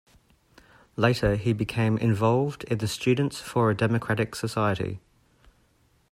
Later he became involved in the Students for a Democratic Society.